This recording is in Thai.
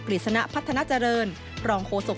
กลิศณะพัฒนาเจริญรองโคศก